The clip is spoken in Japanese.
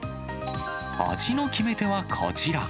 味の決め手はこちら。